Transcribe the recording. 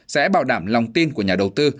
sẽ bảo đảm lòng tin của nhà đầu tư